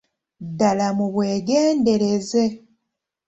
Ddala mubwegendereze.